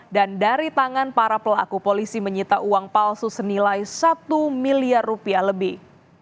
dan dari tangan para pelaku polisi menyita uang palsu senilai satu miliar rupiah lebih